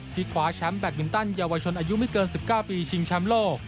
คว้าแชมป์แบตมินตันเยาวชนอายุไม่เกิน๑๙ปีชิงแชมป์โลก